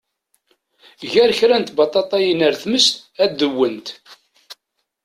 Ger kra n tbaṭaṭayin ar tmes ad d-wwent.